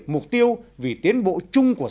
mục tiêu vì tiến bộ chung của